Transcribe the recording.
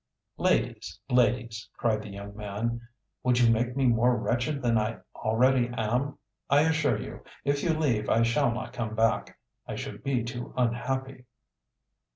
"Ladies, ladies!" cried the young man. "Would you make me more wretched than I already am? I assure you, if you leave I shall not come back. I should be too unhappy."